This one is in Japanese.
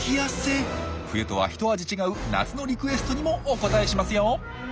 冬とは一味違う夏のリクエストにもお応えしますよ！